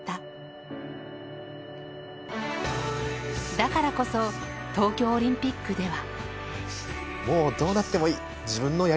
だからこそ東京オリンピックでは。